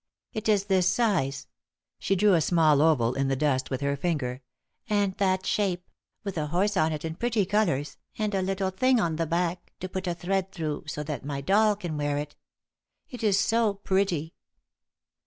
It is this size," she drew a small oval in the dust with her finger, "and that shape, with a horse on it in pretty colours, and a little thing on the back to put a thread through so that my doll can wear it. It is so pretty."